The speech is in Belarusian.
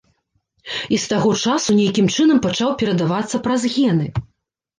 І з таго часу нейкім чынам пачаў перадавацца праз гены.